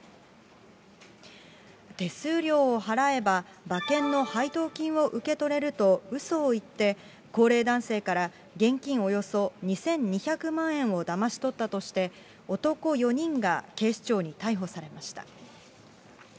手数料を払えば馬券の配当金を受け取れると、うそを言って、高齢男性から現金およそ２２００万円をだまし取ったとして、男４人が警視庁に逮捕されました。